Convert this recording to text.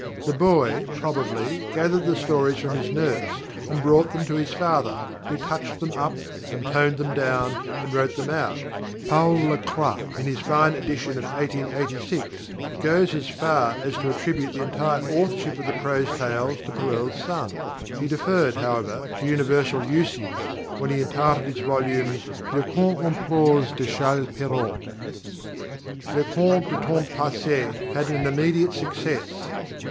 The boy, probably, gathered the stories from his nurse and brought them to his father, who touched them up, and toned them down, and wrote them out. Paul Lacroix, in his fine edition of 1886, goes as far as to attribute the entire authorship of the prose tales to Perrault's son. He deferred, however, to universal usage when he entitled his volume "Les Contes en prose de Charles Perrault."_ _"Les Contes du Temps Passé" had an immediate success.